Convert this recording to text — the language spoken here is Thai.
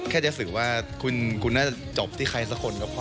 แค่จะสื่อว่าคุณน่าจะจบที่ใครสักคนก็พอ